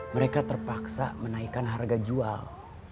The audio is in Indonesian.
mereka terpaksa menaikkan harga jual